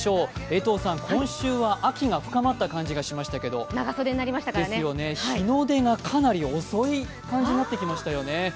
江藤さん、今週は秋が深まった感じがしましたけど、日の出がかなり遅い感じになってきましたよね。